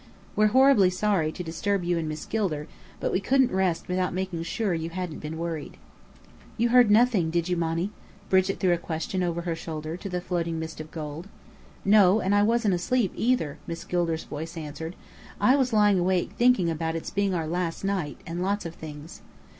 We're horribly sorry to disturb you and Miss Gilder, but we couldn't rest without making sure you hadn't been worried." "You heard nothing, did you, Monny?" Brigit threw a question over her shoulder to the floating mist of gold. "No, and I wasn't asleep either," Miss Gilder's voice answered. "I was lying awake thinking about its being our last night and lots of things."